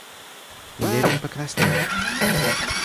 Левин покраснел.